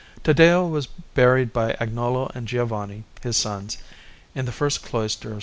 Taddeo was buried by Agnolo and Giovanni, his sons, in the first cloister of S.